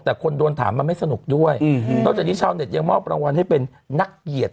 แต่คนโดนถามมันไม่สนุกด้วยนอกจากนี้ชาวเน็ตยังมอบรางวัลให้เป็นนักเกียรติ